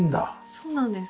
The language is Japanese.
そうなんです。